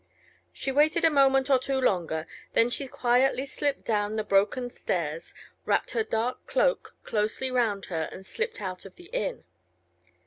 She waited a moment or two longer, then she quietly slipped down the broken stairs, wrapped her dark cloak closely round her and slipped out of the inn.